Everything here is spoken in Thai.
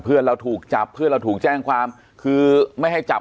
เพื่อนเราถูกจับเพื่อนเราถูกแจ้งความคือไม่ให้จับ